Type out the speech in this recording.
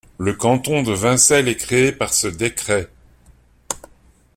Le canton de Vincelles est créé par ce décret.